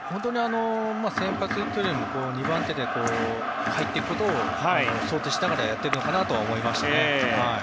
先発というより２番手で入っていくことを想定しながらやっているのかなと思いました。